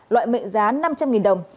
loại mệnh giá năm trăm linh nghìn đồng